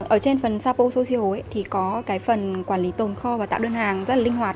ở trên phần sapo social thì có cái phần quản lý tồn kho và tạo đơn hàng rất là linh hoạt